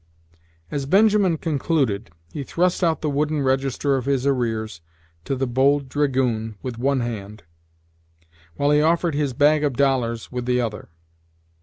As Benjamin concluded, he thrust out the wooden register of his arrears to the "Bold Dragoon" with one hand, while he offered his bag of dollars with the other.